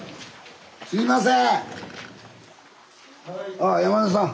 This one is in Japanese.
ああ山根さん。